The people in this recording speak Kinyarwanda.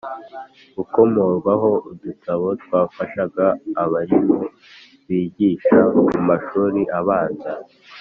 Gukomorwaho udutabo twafashaga abarimu bigishaga mu mashuri abanza.